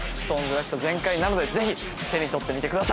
らしさ全開なのでぜひ手に取ってみてください